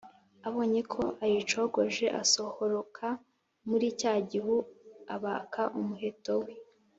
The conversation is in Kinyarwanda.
Abonye ko ayicogoje, asohoroka muri cya gihu, abaka umuheto we